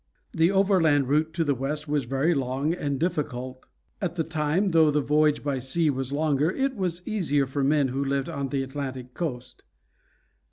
The overland route to the West was long and very difficult. At that time, though the voyage by sea was longer, it was easier for men who lived on the Atlantic coast.